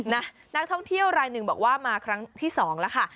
นักท่องเที่ยวรายหนึ่งบอกว่ามาครั้งที่สองแล้วค่ะ